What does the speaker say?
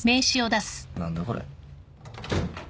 何だこれ？